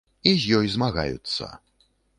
І з ёй змагаюцца.